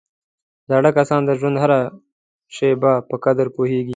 زاړه کسان د ژوند هره شېبه په قدر پوهېږي